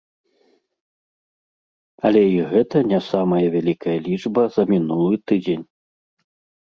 Але і гэта не самая вялікая лічба за мінулы тыдзень.